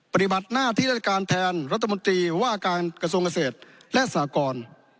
ปฏิบัติหน้าที่รัฐกาลแทนรัฐตมตีว่าการกระทรวงเงินเศรษฐ์และสากร